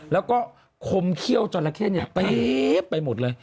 แล้วก็คมเขี้ยวจนละแค่นี้ไปหมดเลย